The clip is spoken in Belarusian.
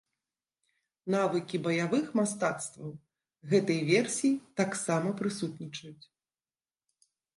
Навыкі баявых мастацтваў гэтай версіі таксама прысутнічаюць.